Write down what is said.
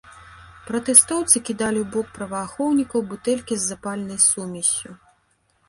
Пратэстоўцы кідалі ў бок праваахоўнікаў бутэлькі з запальнай сумессю.